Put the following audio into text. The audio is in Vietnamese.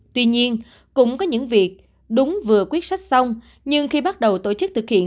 tuy nhiên cũng có những việc đúng vừa quyết sách xong nhưng khi bắt đầu tổ chức thực hiện